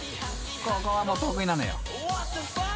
［ここはもう得意なのよ］